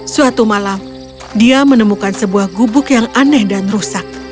suatu malam dia menemukan sebuah gubuk yang aneh dan rusak